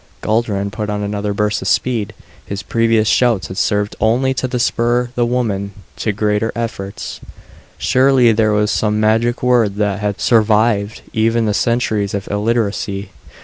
Guldran put on another burst of speed. His previous shouts had served only to spur the woman to greater efforts. Surely there was some magic word that had survived even the centuries of illiteracy.